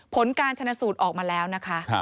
ผลการชนะสูตรออกมาแล้วนะคะ